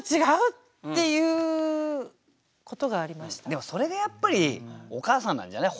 でもそれがやっぱりお母さんなんじゃない？